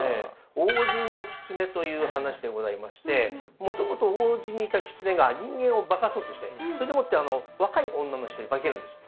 「王子のきつね」という話でございましてもともと王子にいたきつねが人間を化かそうとしてそれでもって若い女の人に化けるんです。